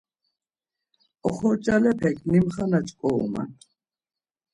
Oxorcalepek limxana ç̌ǩoruman.